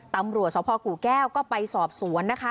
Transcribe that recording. ตำรวจสภกูแก้วก็ไปสอบสวนนะคะ